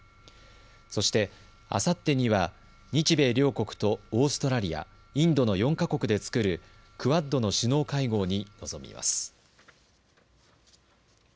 そして、あさってには日米両国とオーストラリア、インドの４か国で作るクアッドの首脳会合に臨みます。